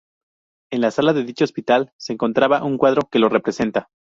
En la sala de dicho hospital se encontraba un cuadro que lo representa.